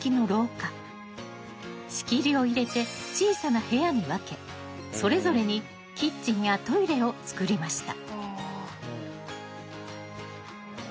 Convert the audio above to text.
仕切りを入れて小さな部屋に分けそれぞれにキッチンやトイレをつくりました。